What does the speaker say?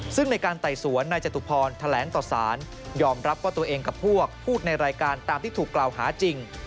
ซึ่งในการไต่สวนนายจตุพรแถลงต่อสารยอมรับว่าตัวเองกับพวกพูดในรายการตามที่ถูกกล่าวหาจริง